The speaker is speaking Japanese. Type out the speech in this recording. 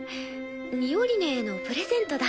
ミオリネへのプレゼントだ。